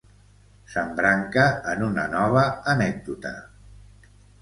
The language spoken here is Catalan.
S'embranca en una nova anècdota.